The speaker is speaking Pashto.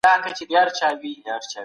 د اوبو کمښت کرنیزي ځمکي وچي کړي.